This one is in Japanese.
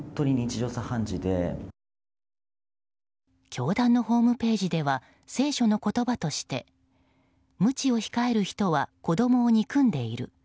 教団のホームページでは聖書の言葉としてむちを控える人は子供を憎んでいる。